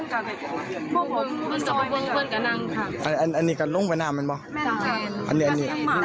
เลิกเลี่ยงกันคือกับบ้านไพบ้านนั้น